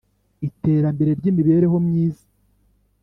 iterambere ry imibereho myiza